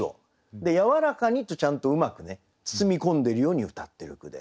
で「やはらかに」とちゃんとうまくね包み込んでるようにうたってる句で。